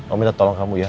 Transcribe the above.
om minta tolong kamu ya